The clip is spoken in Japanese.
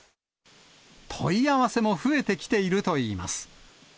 問い合わせも増えてきているといいます。